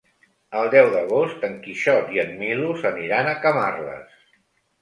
El deu d'agost en Quixot i en Milos aniran a Camarles.